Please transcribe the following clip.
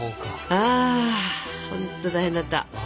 あほんと大変だった。